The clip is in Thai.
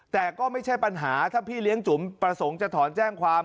แต่ก็ไม่ใช่ปัญหาถ้าพี่เลี้ยงจุ๋มประสงค์จะถอนแจ้งความ